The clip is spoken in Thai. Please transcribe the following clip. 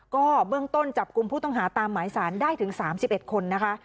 ก็เบื้องต้นจับกลุ่มผู้ต้องหาตามหมายสารได้ถึง๓๑คนนะคะ